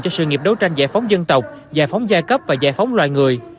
cho sự nghiệp đấu tranh giải phóng dân tộc giải phóng giai cấp và giải phóng loài người